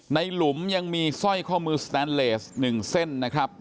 หลุมยังมีสร้อยข้อมือสแตนเลส๑เส้นนะครับ